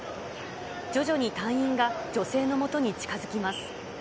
徐々に隊員が女性のもとに近づきます。